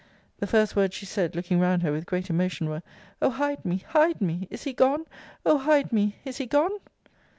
The first words she said, looking round her with great emotion, were, Oh! hide me, hide me! Is he gone? Oh! hide me! Is he gone?